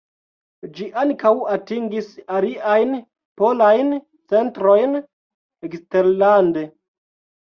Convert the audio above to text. Ĝi ankaŭ atingis aliajn polajn centrojn eksterlande.